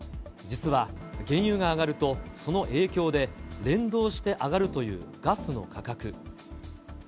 実は、原油が上がるとその影響で連動して上がるというガスの価格。